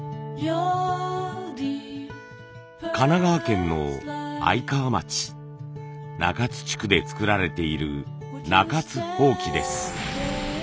神奈川県の愛川町中津地区で作られている中津箒です。